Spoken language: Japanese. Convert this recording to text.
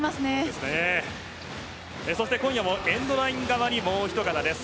そして今夜もエンドライン側にもうひと方です。